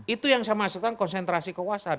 itu yang saya maksudkan konsentrasi kekuasaan